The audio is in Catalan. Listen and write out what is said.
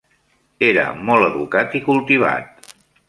Era molt educat i cultivat.